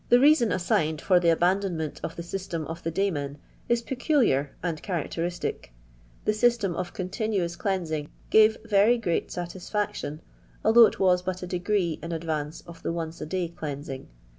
reason assigned for the abandonment of the sys tem of the daymen is peculiar and characteristic The system of continuous cleansing gave Tery great satisfoction, although it was but a degree in advance of the onee arday deansinff.